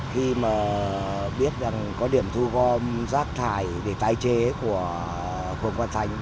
khi mà biết có điểm thu gom rác thải để tái chế của phường quán thánh